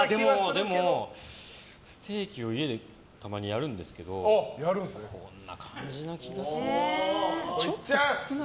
でも、ステーキを家でたまにやるんですけどこんな感じな気がするな。